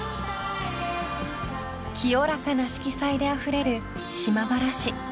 ［清らかな色彩であふれる島原市］